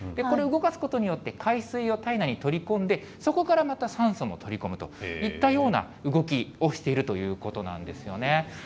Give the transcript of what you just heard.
これ、動かすことによって、海水を体内に取り込んで、そこからまた酸素を取り込むといったような動きをしているということなんですよね。